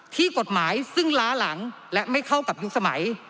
ที่กฎหมายซึ่งล้าหลังและไม่เข้ากับยุคสมัย